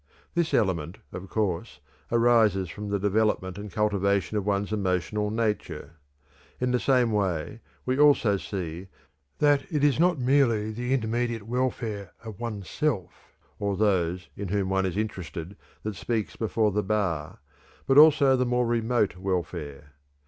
This element, of course, arises from the development and cultivation of one's emotional nature. In the same way we also see that it is not merely the immediate welfare of one's self or those in whom one is interested that speaks before the bar, but also the more remote welfare.